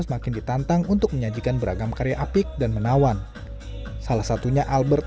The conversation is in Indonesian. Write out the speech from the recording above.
semakin ditantang untuk menyajikan beragam karya apik dan menawan salah satunya albert